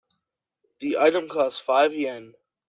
The item costs five Yen.